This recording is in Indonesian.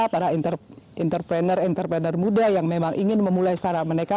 para entrepreneur entrepreneur muda yang memang ingin memulai startup mereka